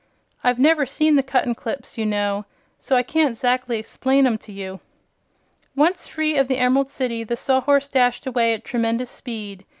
I've never seen the Cuttenclips, you know, so I can't 'zactly 'splain 'em to you." Once free of the Emerald City the Sawhorse dashed away at tremendous speed.